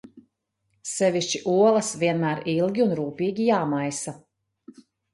Sevišķi olas vienmēr ilgi un rūpīgi jāmaisa.